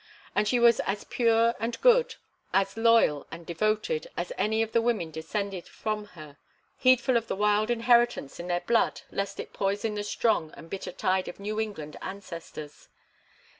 And she was as pure and good, as loyal and devoted, as any of the women descended from her, heedful of the wild inheritance in their blood lest it poison the strong and bitter tide of New England ancestors.